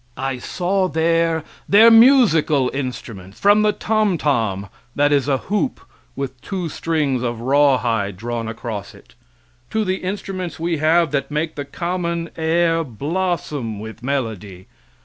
I saw there their musical instruments, from the tomtom (that is a hoop with two strings of rawhide drawn across it) to the instruments we have that make the common air blossom with melody.